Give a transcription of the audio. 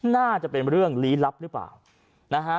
น่าจะเป็นเรื่องลี้ลับหรือเปล่านะฮะ